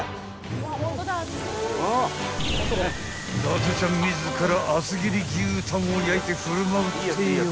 ［伊達ちゃん自ら厚切り牛タンを焼いて振る舞うってよ］